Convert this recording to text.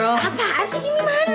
apaan sih kimi mana